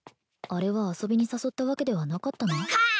あれは遊びに誘ったわけではなかったの？